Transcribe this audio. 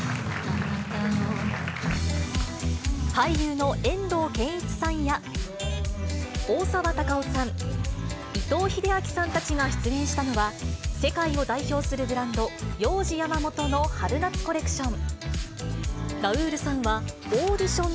俳優の遠藤憲一さんや大沢たかおさん、伊藤英明さんたちが出演したのは、世界を代表するブランド、ヨウジ・ヤマモトの春夏コレクション。